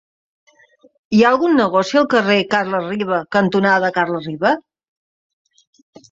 Hi ha algun negoci al carrer Carles Riba cantonada Carles Riba?